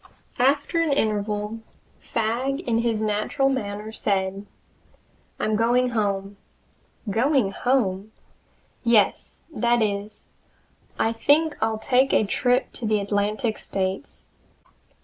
After an interval Fagg in his natural manner said: "I'm going home!" "Going home?" "Yes that is, I think I'll take a trip to the Atlantic States.